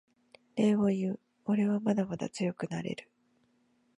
礼を言うおれはまだまだ強くなれる